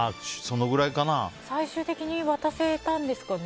最終的に渡せたんですかね。